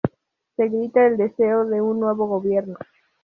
Se grita el deseo de un nuevo gobierno.